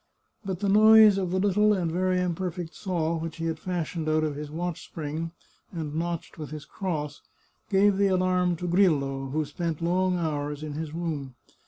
But the noise of the little and very imperfect saw which he had fashioned out of his watch spring and notched with his cross gave the alarm to Grillo, who spent long hours in his room.